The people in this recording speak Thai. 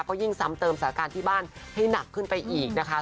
ก็ยิ่งซ้ำเติมสถานการณ์ที่บ้านให้หนักขึ้นไปอีกนะคะ